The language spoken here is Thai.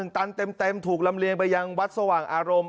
ตันเต็มถูกลำเลียงไปยังวัดสว่างอารมณ์